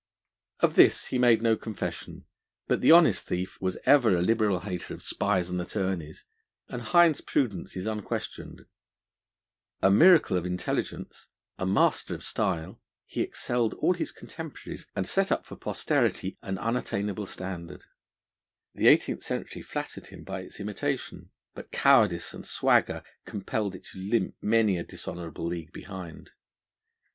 Of this he made no confession, but the honest thief was ever a liberal hater of spies and attorneys, and Hind's prudence is unquestioned. A miracle of intelligence, a master of style, he excelled all his contemporaries and set up for posterity an unattainable standard. The eighteenth century flattered him by its imitation; but cowardice and swagger compelled it to limp many a dishonourable league behind.